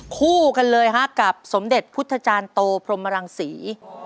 คู่กันเลยฮะกับสมเด็จพุทธจารย์โตพรมรังศรี